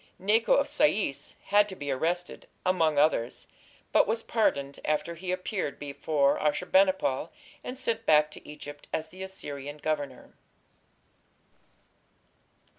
Necho of Sais had to be arrested, among others, but was pardoned after he appeared before Ashur bani pal, and sent back to Egypt as the Assyrian governor.